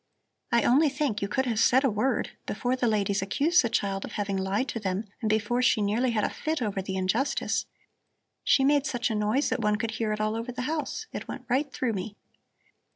"I only think you could have said a word, before the ladies accused the child of having lied to them and before she nearly had a fit over the injustice. She made such a noise that one could hear it all over the house! It went right through me."